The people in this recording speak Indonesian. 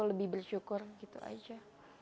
lebih bersyukur gitu aja